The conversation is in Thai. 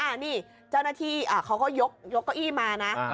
อันนี้เจ้าหน้าที่เขาก็ยกเก้าอี้มานะ